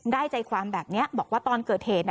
ใจความแบบนี้บอกว่าตอนเกิดเหตุ